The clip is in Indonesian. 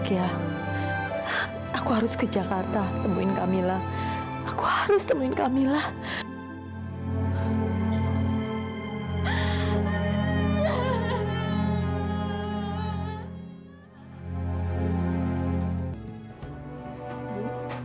kalau lu selalu tersusit ke sini malauluhan makanya kamu mati aja